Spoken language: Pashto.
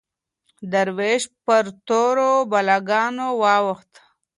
دروېش پر تورو بلاګانو واوښت